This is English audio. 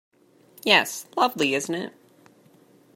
Yes, lovely, isn't it?